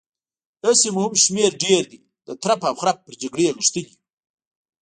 هسې مو هم شمېر ډېر دی، د ترپ او خرپ پر جګړې غښتلي يو.